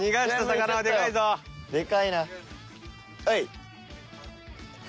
はい。